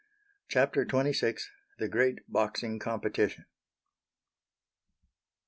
CHAPTER XXVI. THE GREAT BOXING COMPETITION.